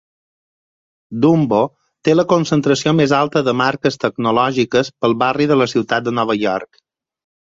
Dumbo té la concentració més alta de marques tecnològiques per barri de la ciutat de Nova York.